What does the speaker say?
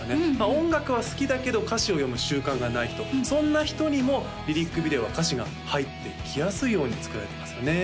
音楽は好きだけど歌詞を読む習慣がない人そんな人にもリリックビデオは歌詞が入って来やすいように作られてますよね